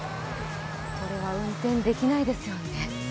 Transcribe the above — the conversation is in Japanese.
これは運転できないですよね。